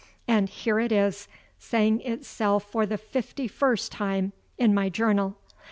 And here it is, saying itself for the fifty first time in my Journal.